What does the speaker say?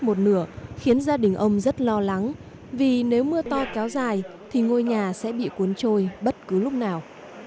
một nửa khiến gia đình ông rất lo lắng vì nếu mưa to kéo dài thì ngôi nhà sẽ bị cuốn trôi bất cứ lúc nào